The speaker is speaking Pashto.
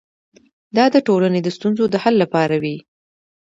دا د ټولنې د ستونزو د حل لپاره وي.